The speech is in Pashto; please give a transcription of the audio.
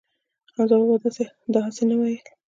حمزه بابا دا هسې نه وييل